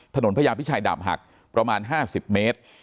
ถนนพระยามพิชัยดาบหักประมาณห้าสิบเมตร